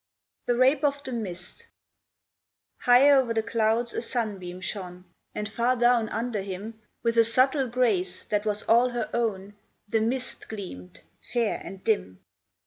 THE RAPE OF THE MIST High o'er the clouds a Sunbeam shone, And far down under him, With a subtle grace that was all her own, The Mist gleamed, fair and dim.